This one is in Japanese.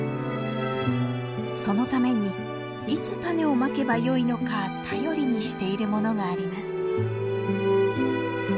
そのために「いつ種をまけばよいのか」頼りにしているものがあります。